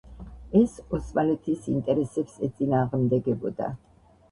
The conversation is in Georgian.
ეს ოსმალეთის ინტერესებს ეწინააღმდეგებოდა.